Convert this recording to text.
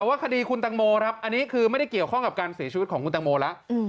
แต่ว่าคดีคุณตังโมครับอันนี้คือไม่ได้เกี่ยวข้องกับการเสียชีวิตของคุณตังโมแล้ว